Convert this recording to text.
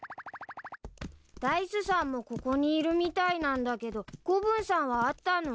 ダイスさんもここにいるみたいなんだけど子分さんは会ったの？